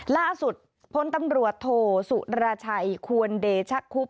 ล่าสุดพลตำรวจโทสุรชัยควรเดชะคุบ